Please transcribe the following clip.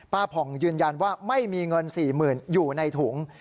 ผ่องยืนยันว่าไม่มีเงิน๔๐๐๐อยู่ในถุง